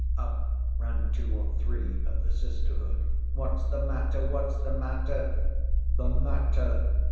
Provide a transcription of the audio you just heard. Up ran two or three of the sisterhood, What's the matter! What's the matter! The matter!